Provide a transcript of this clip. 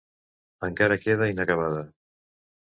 Encara queda inacabada.